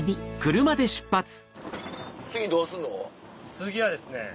次はですね